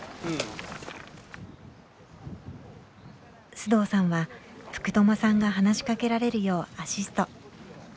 須藤さんは福朋さんが話しかけられるようアシスト。